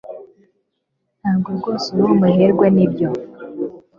Ntabwo rwose uri umuherwe nibyo